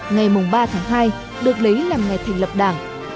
ngày ba tháng hai được lấy làm ngày thành lập đảng